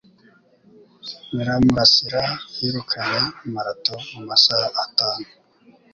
Nyiramurasira yirukanye marato mu masaha atanu.